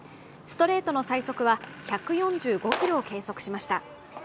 ストレートの最速は１４５キロを計測しました。